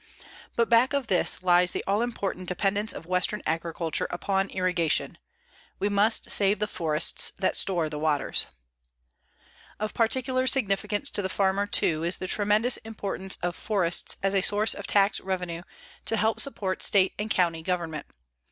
_But back of this lies the all important dependence of western agriculture upon irrigation. We must save the forests that store the waters._ Of particular significance to the farmer, too, is the tremendous importance of forests as a source of tax revenue to help support state and county government.